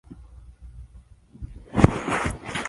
He wanted "Perestroika and Glasnost for India".